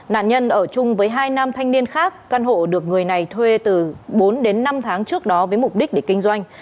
nạn nhân ở chung với hai nam thanh niên khác căn hộ được người này thuê từ bốn đến năm tháng trước đó với mục đích để kinh doanh